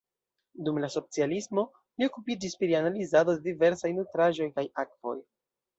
Dum la socialismo li okupiĝis pri analizado de diversaj nutraĵoj kaj akvoj.